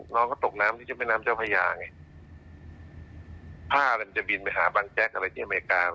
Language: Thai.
น้องก็ตกน้ำที่เจ้าแม่น้ำเจ้าพญาไงผ้ามันจะบินไปหาบังแจ๊กอะไรที่อเมริกา